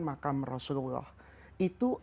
makam rasulullah itu